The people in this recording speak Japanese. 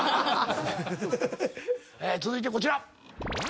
続いてこちら。